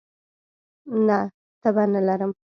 نه، تبه نه لرم